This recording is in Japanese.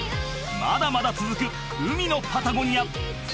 まだまだ続く海のパタゴニア